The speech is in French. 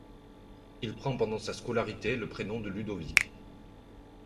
Il prend pendant sa scolarité le prénom de Ludovic.